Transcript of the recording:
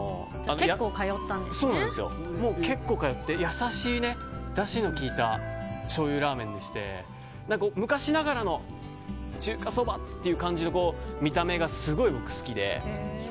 優しいだしのきいたしょうゆラーメンでして昔ながらの中華そばっていう感じが僕、すごい好きで。